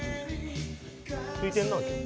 空いてるな今日。